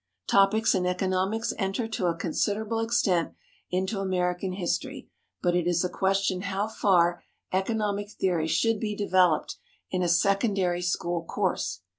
Topics in economics enter to a considerable extent into American history, but it is a question how far economic theory should be developed in a secondary school course.